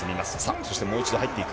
そしてもう一度、入っていく。